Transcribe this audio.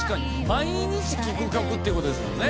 毎日聴く曲っていう事ですもんね。